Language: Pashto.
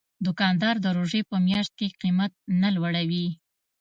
دوکاندار د روژې په میاشت کې قیمت نه لوړوي.